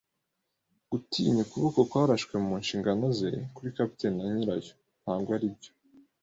gutinya ukuboko kwarashwe mu nshingano ze kuri capitaine na nyirayo. Ntabwo aribyo